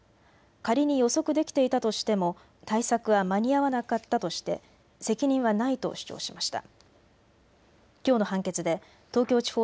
仮に予測できていたとしても対策は間に合わなかったとして責任はないと主張しました。